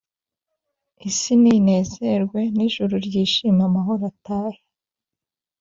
Isi ninezerwe nijuru ryishime amahoro atahe